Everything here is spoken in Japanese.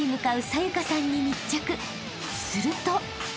［すると］